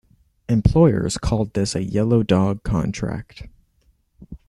Employers called this a yellow-dog contract.